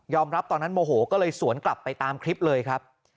ตอนนั้นโมโหก็เลยสวนกลับไปตามคลิปเลยครับ